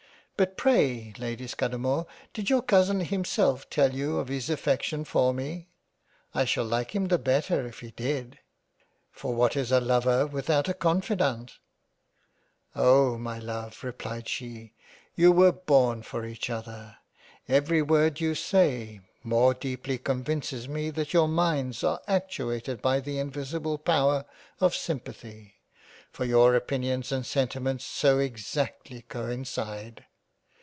But pray Lady Scudamore did your Cousin himself tell you of his affection for me ? I shall like him the better if he did, for what is a Lover without a Confidante ?"" Oh ! my Love replied she, you were born for each other. Every word you say more deeply convinces me that your Minds are actuated by the invisible power of simpathy, for your opinions and sentiments so exactly coincide.